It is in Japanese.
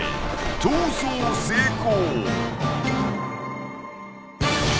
［逃走成功！］